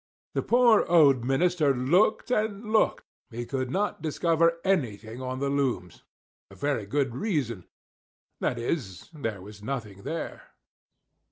The poor old minister looked and looked, he could not discover anything on the looms, for a very good reason, viz: there was nothing there.